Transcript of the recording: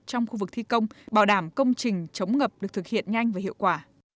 trong khu vực thi công bảo đảm công trình chống ngập được thực hiện nhanh và hiệu quả